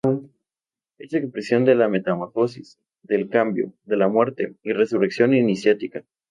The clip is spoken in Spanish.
Es expresión de la metamorfosis, del cambio, de la muerte y resurrección iniciática.